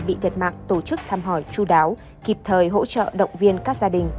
bị thiệt mạng tổ chức thăm hỏi chú đáo kịp thời hỗ trợ động viên các gia đình